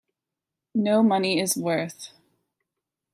No money is worth...!